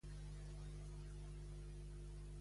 Què va fer Naupli?